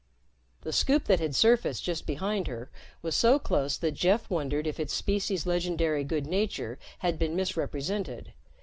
The Scoop that had surfaced just behind her was so close that Jeff wondered if its species' legendary good nature had been misrepresented.